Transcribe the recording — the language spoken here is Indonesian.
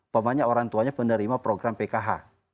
pokoknya orang tuanya penerima program pkh